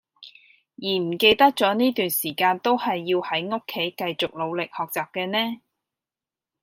而唔記得咗呢段時間都係要喺屋企繼續努力學習嘅呢